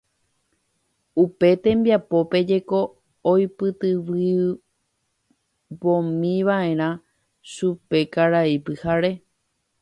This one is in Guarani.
Upe tembiapópe jeko oipytyvõmiva'erã chupe Karai Pyhare.